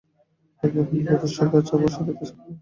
একজন প্রদর্শক আছে আমার সাথে কাজ করে।